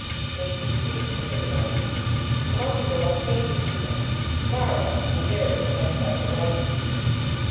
It makes me sleepy to think about it. A month ago I hated Eva. Tomorrow I marry her by special licence.